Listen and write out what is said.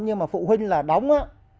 nhưng mà phụ huynh là đóng á